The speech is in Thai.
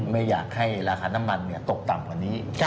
ไม่อยากให้ราคาน้ำมันตกต่ำกว่านี้